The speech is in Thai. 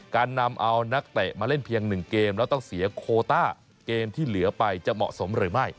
การนำเอานักเตะมาเล่นเพียง๑เกมแล้วต้องเสียโคต้าเกมที่เหลือไปจะเหมาะสมหรือไม่